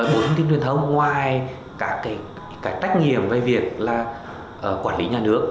bộ thông tin truyền thông ngoài các tách nghiệm về việc quản lý nhà nước